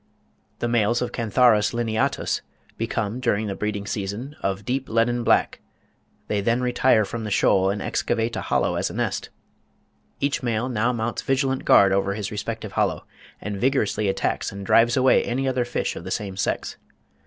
The males of Cantharus lineatus become, during the breeding season, of deep leaden black; they then retire from the shoal, and excavate a hollow as a nest. "Each male now mounts vigilant guard over his respective hollow, and vigorously attacks and drives away any other fish of the same sex.